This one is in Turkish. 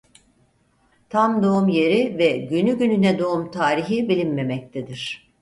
Tam doğum yeri ve günü gününe doğum tarihi bilinmemektedir.